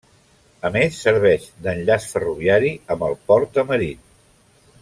A més serveix d'enllaç ferroviari amb el port de Marín.